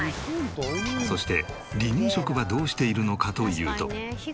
そして離乳食はどうしているのかというと。